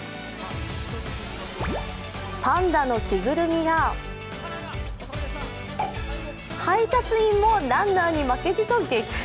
パンダの着ぐるみや、配達員もランナーに負けじと激走。